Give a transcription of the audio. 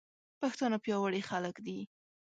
پښتانه پياوړي خلک دي.